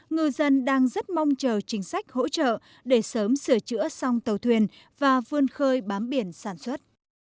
ngư dân đang rất mong chờ chính sách hỗ trợ để sớm sửa chữa xong tàu thuyền và vươn khơi bám biển sản xuất